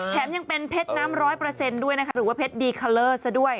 แถมยังเป็นเพชรน้ำ๑๐๐ด้วยนะคะหรือว่าเพชรดีคอลเลอร์ซะด้วย